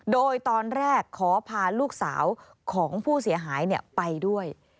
โดยตอนแรกขอพาลูกสาวของผู้เสียหายไปด้วย